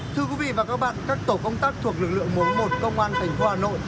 thưa quý vị và các bạn các tổ công tác thuộc lực lượng một trăm một mươi một công an thành phố hà nội